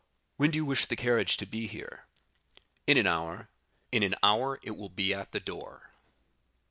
"When do you wish the carriage to be here?" "In an hour." "In an hour it will be at the door."